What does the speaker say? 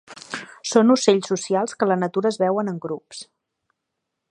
Són ocells socials que a la natura es veuen en grups.